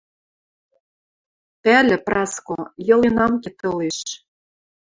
Пӓлӹ, Праско; йылен ам ке тылеш —